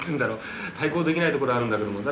対抗できないところあるんだけれども。